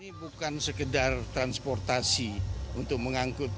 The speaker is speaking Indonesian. ini bukan sekedar transportasi untuk mengangkut